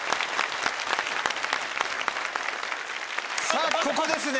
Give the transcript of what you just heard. さぁここですね。